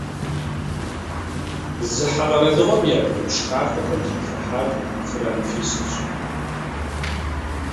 Зыхьэ къэралыгъуэм и адыгэпщ хахуэхэм тетхыхьар Фырэ Анфисэщ.